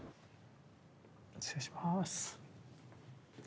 失礼します。